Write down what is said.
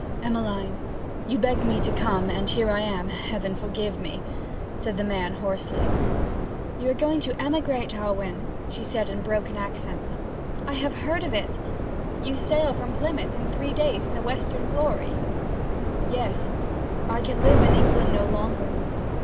'Emmeline, you begged me to come, and here I am, Heaven forgive me!' said the man hoarsely. 'You are going to emigrate, Alwyn,' she said in broken accents. 'I have heard of it; you sail from Plymouth in three days in the Western Glory?' 'Yes. I can live in England no longer.